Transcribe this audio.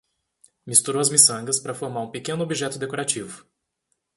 Misturou as miçangas para formar um pequeno objeto decorativo